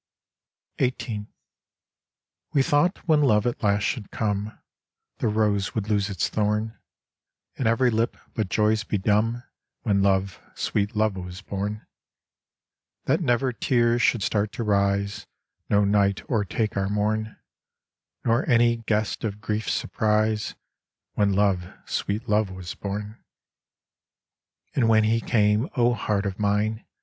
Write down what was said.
XVIII We thought when Love at last should come, The rose would lose its thorn, And every lip but Joy's be dumb When Love, sweet Love, was born; That never tears should start to rise, No night o'ertake our morn, Nor any guest of grief surprise, When Love, sweet Love, was born. And when he came, O Heart of mine!